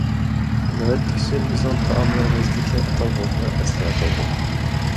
نۆۋەتتىكىسى بىزنىڭ تائاملىرىمىزدىكى ئاتالغۇ، ۋە ئەسلى ئاتالغۇ!